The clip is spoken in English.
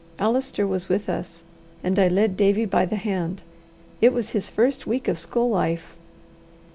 Allister was with us, and I led Davie by the hand: it was his first week of school life.